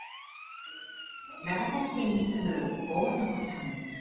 長崎県に住む大底さん。